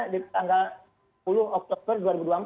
di tanggal sepuluh oktober dua ribu dua puluh empat